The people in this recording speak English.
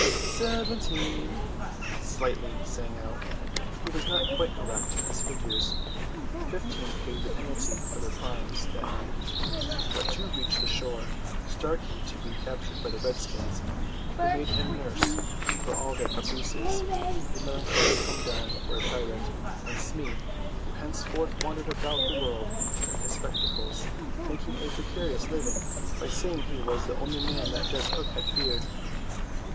"Seventeen," Slightly sang out; but he was not quite correct in his figures. Fifteen paid the penalty for their crimes that night; but two reached the shore: Starkey to be captured by the redskins, who made him nurse for all their papooses, a melancholy come down for a pirate; and Smee, who henceforth wandered about the world in his spectacles, making a precarious living by saying he was the only man that Jas. Hook had feared.